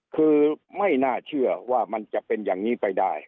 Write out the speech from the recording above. คือไม่น่าเชื่อว่ามันจะเป็นอย่างนี้ไปได้